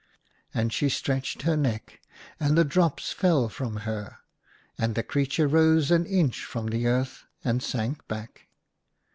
And she stretched her neck, and the drops fell from her. And the creature rose an inch from the earth and sank back.